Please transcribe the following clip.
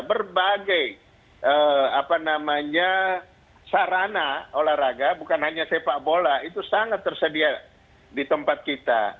berbagai sarana olahraga bukan hanya sepak bola itu sangat tersedia di tempat kita